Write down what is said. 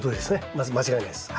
まず間違いないです。